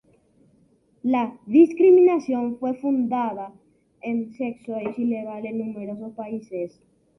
La discriminación fundada en sexo es ilegal en numerosos países.